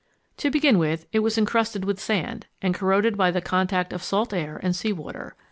To begin with, it was encrusted with sand and corroded by the contact of salt air and seawater.